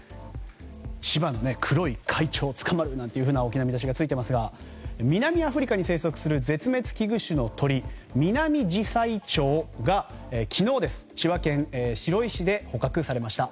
千葉の黒い怪鳥、捕まると大きな見出しがついていますが南アフリカに生息する絶滅危惧種の鳥ミナミジサイチョウが昨日、千葉県白井市で捕獲されました。